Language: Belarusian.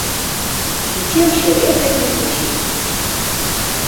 Цвіце ўсё лета і восень.